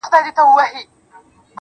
بيا تس ته سپكاوى كوي بدرنگه ككــرۍ.